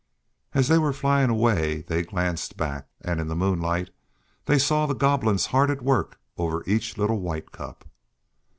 As they were flying away they glanced back, and in the moonlight they saw the Goblins hard at work over each little White Cup.